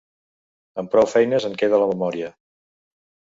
Amb prou feines en queda la memòria.